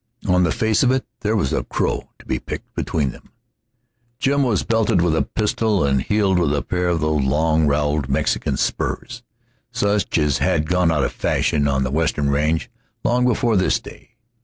On the face of it there was a crow to be picked between them. Jim was belted with a pistol and heeled with a pair of those long roweled Mexican spurs, such as had gone out of fashion on the western range long before his day.